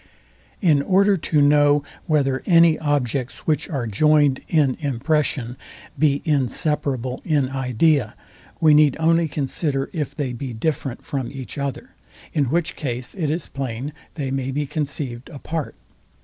In order to know whether any objects, which are joined in impression, be inseparable in idea, we need only consider, if they be different from each other; in which case, it is plain they may be conceived apart.